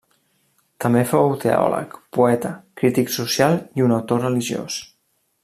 També fou teòleg, poeta, crític social, i un autor religiós.